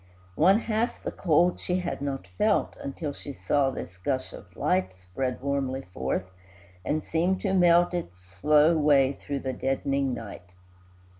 One half the cold she had not felt, Until she saw this gush of light Spread warmly forth, and seem to melt Its slow way through the deadening night.